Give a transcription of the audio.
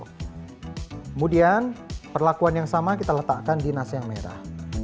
kemudian perlakuan yang sama kita letakkan di nasi yang merah